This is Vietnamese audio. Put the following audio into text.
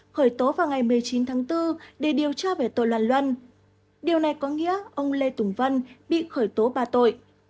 khởi tố vào ngày một mươi chín tháng bốn để điều tra về tội làm luân điều này có nghĩa ông lê tùng vân bị khởi tố ba tội